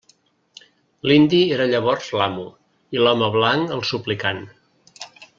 L'indi era llavors l'amo, i l'home blanc el suplicant.